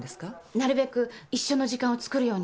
なるべく一緒の時間をつくるようにしてます。